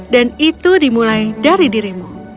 dan itu dimulai dari dirimu